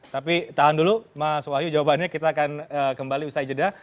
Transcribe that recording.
tapi tahan dulu mas wahyu jawabannya kita akan kembali usai jeda